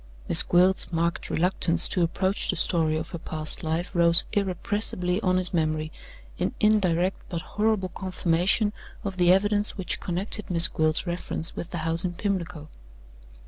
Miss Gwilt's marked reluctance to approach the story of her past life rose irrepressibly on his memory, in indirect but horrible confirmation of the evidence which connected Miss Gwilt's reference with the house in Pimlico.